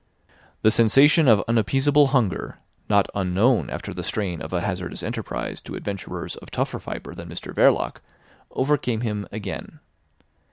The sensation of unappeasable hunger, not unknown after the strain of a hazardous enterprise to adventurers of tougher fibre than Mr Verloc, overcame him again.